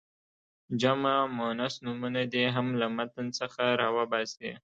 جمع مؤنث نومونه دې هم له متن څخه را وباسي.